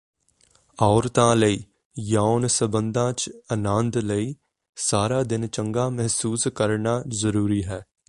ਔਰਤਾਂ ਲਈ ਯੌਨ ਸਬੰਧਾਂ ਚ ਆਨੰਦ ਲਈ ਸਾਰਾ ਦਿਨ ਚੰਗਾ ਮਹਿਸੂਸ ਕਰਨਾ ਜ਼ਰੂਰੀ ਹੈ